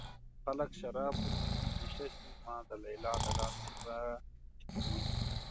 خلک شراب وڅښي نشه شي ما د ليلا د لاس اوبه نشه کوينه